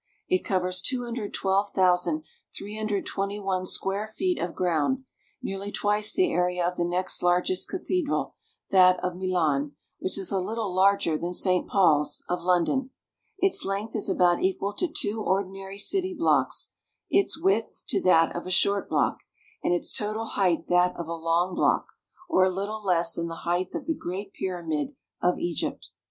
It covers 212,321 square feet of ground, nearly twice the area of the next largest cathedral, that of Milan, which is a little larger than St. Paul's, of London. Its length is about equal to two ordinary city blocks, its width to that of a short block, and its total height that of a long block, or a little less than the height of the Great Pyramid of Egypt.